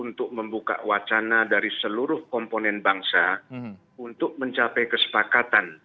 untuk membuka wacana dari seluruh komponen bangsa untuk mencapai kesepakatan